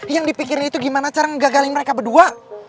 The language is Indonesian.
yang dipikirin itu gimana cara ngegagalin mereka berdua